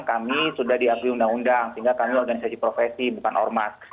kami sudah diakui undang undang sehingga kami organisasi profesi bukan ormas